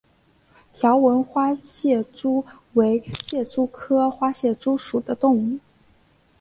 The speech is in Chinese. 条纹花蟹蛛为蟹蛛科花蟹蛛属的动物。